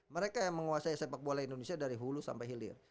mereka yang menguasai sepak bola indonesia dari hulu sampai hilir